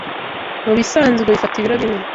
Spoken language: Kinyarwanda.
Mubisanzwe bifata ibiro bine